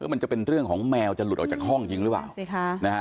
มันจะเป็นเรื่องของแมวจะหลุดออกจากห้องจริงหรือว่า